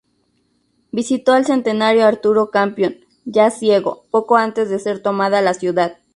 Visitó al centenario Arturo Campión, ya ciego, poco antes de ser tomada la ciudad.